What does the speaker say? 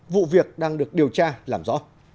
vụ việc đang được điều tra làm rõ